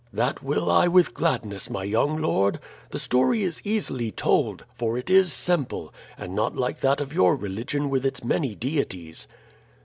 "That will I with gladness, my young lord. The story is easily told, for it is simple, and not like that of your religion with its many deities."